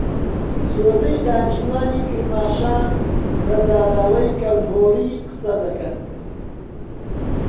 زۆربەی دانیشتووانی کرماشان بە زاراوەی کەڵهوڕی قسەدەکەن.